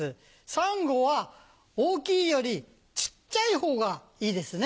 サンゴは大きいより小っちゃい方がいいですね。